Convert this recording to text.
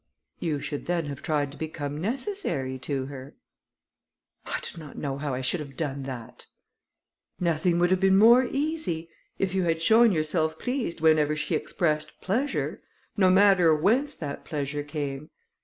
"You should then have tried to become necessary to her." "I do not know how I should have done that." "Nothing would have been more easy, if you had shown yourself pleased whenever she expressed pleasure, no matter whence that pleasure came.